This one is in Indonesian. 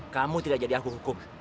kamu tidak jadi akung hukum